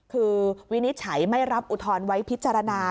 คือวินิจฉัยไม่รับอุทธรณ์ไว้พิจารณา